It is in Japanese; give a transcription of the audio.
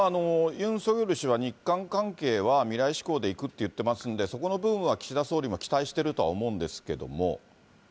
ユン・ソギョル氏は日韓関係は未来志向でいくっていってますんで、そこの部分は岸田総理も期待してるとは思うんですけども。